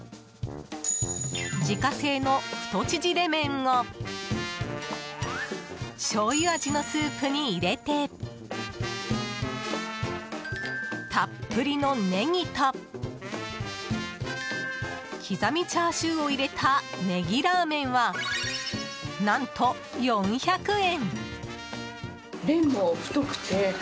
自家製の太縮れ麺をしょうゆ味のスープに入れてたっぷりのネギと刻みチャーシューを入れたねぎラーメンは何と４００円。